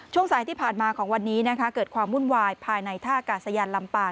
ช่วงสายที่ผ่านมาของวันนี้นะคะเกิดความวุ่นวายภายในท่ากาศยานลำปาน